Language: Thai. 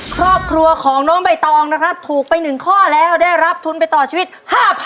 ครอบครัวของน้องใบตองนะครับถูกไป๑ข้อแล้วได้รับทุนไปต่อชีวิต๕๐๐๐